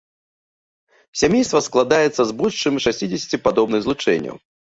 Сямейства складаецца з больш чым шасцідзесяці падобных злучэнняў.